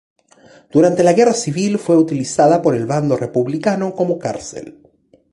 Durante la Guerra Civil fue utilizada por el bando republicano como cárcel.